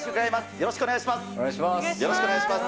よろしくお願いします。